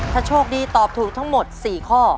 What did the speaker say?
ถ้าโชคดีตอบถูกทั้งหมด๔ข้อ